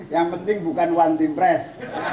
yang penting bukan wantimpres